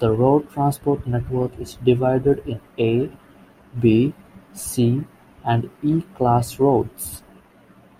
The Road transport network is divided in A, B, C and E class roads.